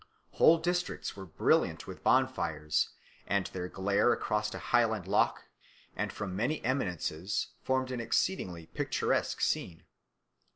Whole districts were brilliant with bonfires, and their glare across a Highland loch, and from many eminences, formed an exceedingly picturesque scene."